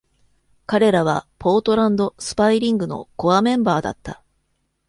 彼らは、ポートランド・スパイ・リングのコアメンバーだった。